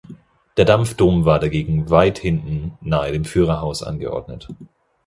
Der Dampfdom war dagegen weit hinten, nahe dem Führerhaus angeordnet.